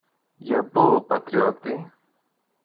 Για πού, πατριώτη;